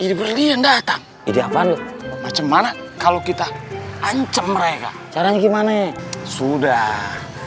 iberian datang ini apaan lu macam mana kalau kita ancam mereka caranya gimana sudah